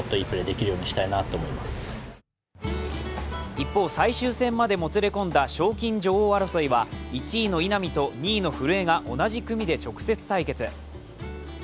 一方、最終戦までもつれ込んだ賞金女王争いは１位の稲見と２位の古江が同じ組で直接対決。